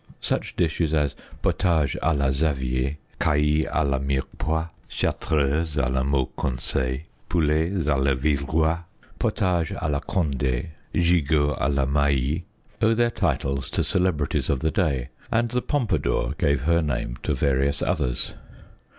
Such dishes as " potage a la Xavier," " cailles a la Mirepoix," " chartreuses a la Mauconseil," " poulets d, la Villeroy," " potage a la Condi," " gigot a la Mailly," owe their titles to celebrities of the day, and the Pompadour gave her name to various others.